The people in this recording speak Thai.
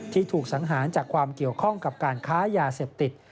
ถูกสังหารจากความเกี่ยวข้องกับการค้ายาเสพติด